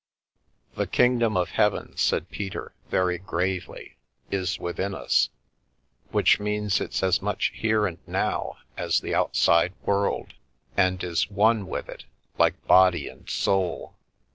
"The kingdom of heaven," said Peter very gravely, " is within us. Which means it's as much here and now as the outside world, and is one with it, like body and soul.